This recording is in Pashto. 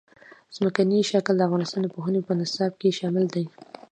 ځمکنی شکل د افغانستان د پوهنې په نصاب کې شامل دي.